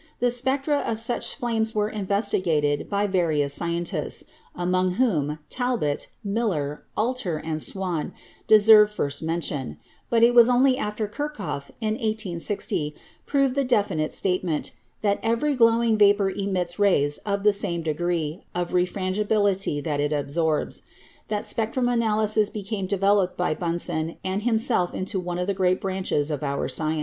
The spectra of such flames were investigated by various scientists, among whom Talbot, Miller, Alter and Swan deserve first mention; but it was only after Kirchhoff (in i860) proved the definite statement — that every glowing vapor emits rays of the same degree of refrangibility that it absorbs — that spectrum analysis became developed by Bunsen and himself into one of the great branches of our science.